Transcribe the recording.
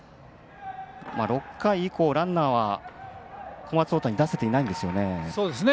６回以降ランナーは小松大谷は出せていないんですよね。